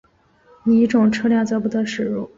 乙种车辆则不得驶入。